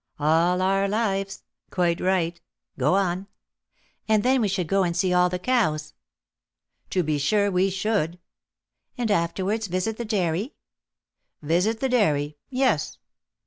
"All our lives! Quite right, go on." "And then we should go and see all the cows!" "To be sure we should." "And afterwards visit the dairy?" "Visit the dairy! Yes."